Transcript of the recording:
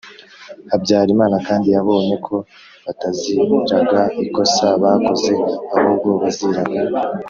Habyarimana kandi yabonye ko bataziraga ikosa bakoze ahubwo baziraga